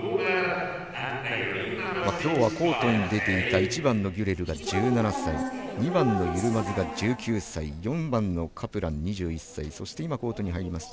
きょうはコートに出ていた１番のギュレルが１７歳２番のユルマズが１９歳４番のカプラン、２１歳そしてコートに入りました